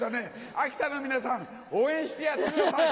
秋田の皆さん応援してやってください。